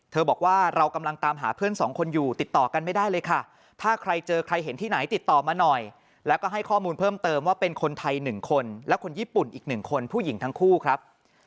บอกว่าเรากำลังตามหาเพื่อนสองคนอยู่ติดต่อกันไม่ได้เลยค่ะถ้าใครเจอใครเห็นที่ไหนติดต่อมาหน่อยแล้วก็ให้ข้อมูลเพิ่มเติมว่าเป็นคนไทย๑คนและคนญี่ปุ่นอีกหนึ่งคนผู้หญิงทั้งคู่ครับ